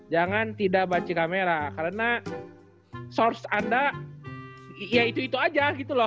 jangan tidak banci kamera karena source anda ya itu itu aja gitu loh